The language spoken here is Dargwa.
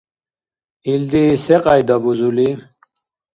Илди секьяйда бузули?